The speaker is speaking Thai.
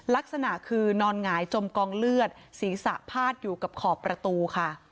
ลักษณะคือนอนหงายจมกองเลือดศีรษะพาดอยู่กับขอบประตูค่ะ